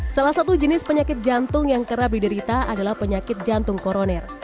salah satu jenis penyakit jantung yang kerap diderita adalah penyakit jantung koroner